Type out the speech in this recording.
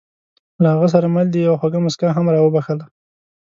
له هغه سره مل دې یوه خوږه موسکا هم را وبښله.